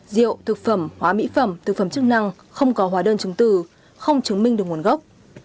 rượu thực phẩm hóa mỹ phẩm thực phẩm chức năng không có hóa đơn chứng từ không chứng minh được nguồn gốc